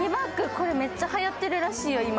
これ、めっちゃはやってるらしいよ。